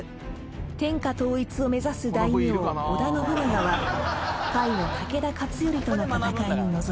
［天下統一を目指す大名織田信長は甲斐の武田勝頼との戦いに臨みます］